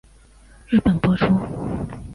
日本播出。